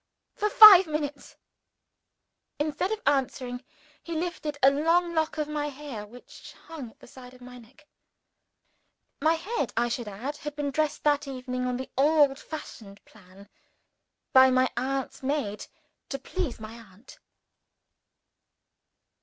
"For five minutes!" Instead of answering, he gently lifted a long lock of my hair, which hung at the side of my neck. (My head, I should add, had been dressed that evening on the old fashioned plan, by my aunt's maid to please my aunt.)